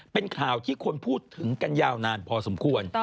เป็นข่าวที่คนพูดถึงกันยาวนานพอสมควร